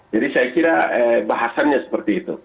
jadi saya kira bahasannya seperti itu